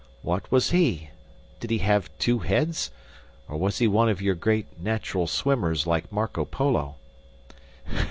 What was he? Did he have two heads? Or was he one of your great, natural swimmers like Marco Polo?"